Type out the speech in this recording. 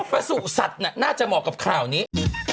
ประสุทธิ์สัตว์น่าจะเหมาะกับข่าวนี้